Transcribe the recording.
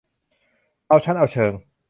เอาชั้นเอาเชิง